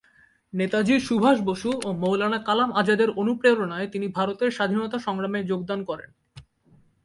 নেতাজি সুভাষ বসু ও মৌলানা কালাম আজাদের অনুপ্রেরণায় তিনি ভারতের স্বাধীনতা সংগ্রামে যোগদান করেন।